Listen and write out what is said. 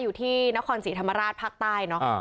อยู่ที่นครศรีธรรมราชภาคใต้เนอะ